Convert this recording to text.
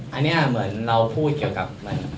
อันนี้เหมือนเราพูดเกี่ยวกับมัน